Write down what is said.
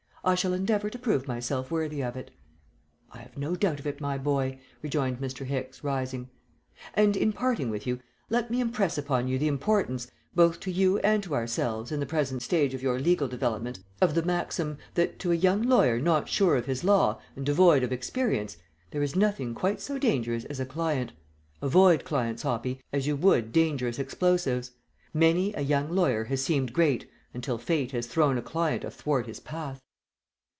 "I shall endeavour to prove myself worthy of it." "I have no doubt of it, my boy," rejoined Mr. Hicks, rising. "And, in parting with you, let me impress upon you the importance, both to you and to ourselves in the present stage of your legal development, of the maxim, that to a young lawyer not sure of his law, and devoid of experience, there is nothing quite so dangerous as a client. Avoid clients, Hoppy, as you would dangerous explosives. Many a young lawyer has seemed great until fate has thrown a client athwart his path."